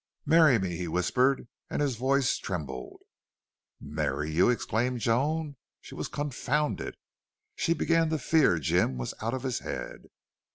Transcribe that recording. "Marry me!" he whispered, and his voice trembled. "MARRY YOU!" exclaimed Joan. She was confounded. She began to fear Jim was out of his head.